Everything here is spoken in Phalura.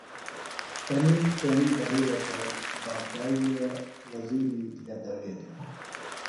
تنم تیݨی بھرِیوہ تھےۡ باچائی ئیے وزِیری دھیہ دویلم